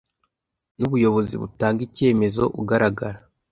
n ubuyobozi butanga icyemezo ugaragara